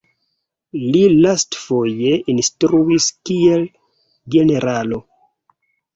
Li lastfoje instruis kiel generalo.